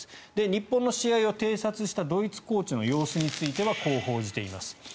日本の試合を偵察したドイツコーチの様子についてはこう報じています。